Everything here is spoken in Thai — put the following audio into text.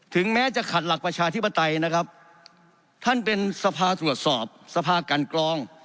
แม้จะขัดหลักประชาธิปไตยนะครับท่านเป็นสภาตรวจสอบสภากันกรอง